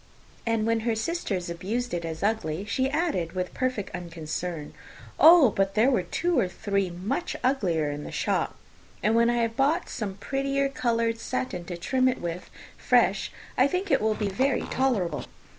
And when her sisters abused it as ugly, she added, with perfect unconcern, "Oh, but there were two or three much uglier in the shop; and when I have bought some prettier coloured satin to trim it with fresh, I think it will be very tolerable.